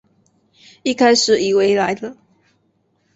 一开始以为来了